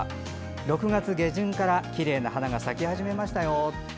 ６月下旬にはきれいな花が咲き始めました。